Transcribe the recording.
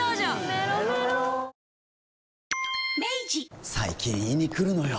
メロメロ最近胃にくるのよ。